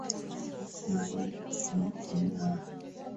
maiti inaachwa nje iliwe na tumbusi